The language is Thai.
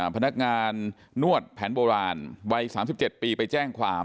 พนักงานนวดแผนโบราณวัย๓๗ปีไปแจ้งความ